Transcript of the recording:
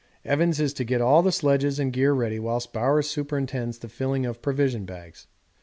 Evans is to get all the sledges and gear ready whilst Bowers superintends the filling of provision bags.